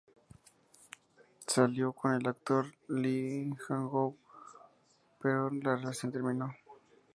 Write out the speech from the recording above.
Salió con el actor Lee Jang-woo, pero la relación terminó.